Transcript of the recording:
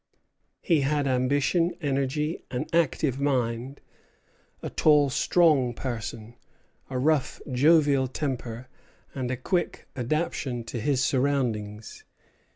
He had ambition, energy, an active mind, a tall, strong person, a rough, jovial temper, and a quick adaptation to his surroundings.